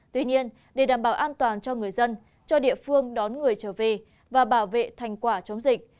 tuy nhiên để đảm bảo an toàn cho người dân cho địa phương đón người trở về và bảo vệ thành quả chống dịch